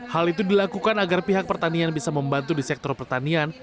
hal itu dilakukan agar pihak pertanian bisa membantu di sektor pertanian